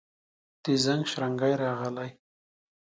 د زنګ شرنګی راغلي